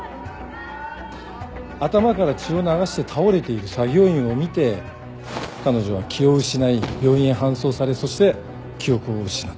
頭から血を流して倒れている作業員を見て彼女は気を失い病院へ搬送されそして記憶を失った。